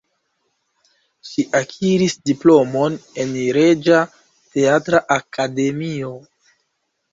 Ŝi akiris diplomon en Reĝa Teatra Akademio.